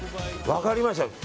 分かりました。